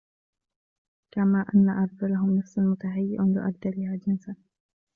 كَمَا أَنَّ أَرْذَلَهُمْ نَفْسًا مُتَهَيِّئ لِأَرْذَلِهَا جِنْسًا